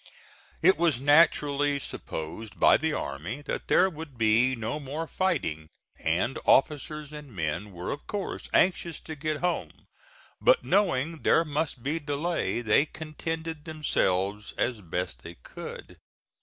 It was naturally supposed by the army that there would be no more fighting, and officers and men were of course anxious to get home, but knowing there must be delay they contented themselves as best they could.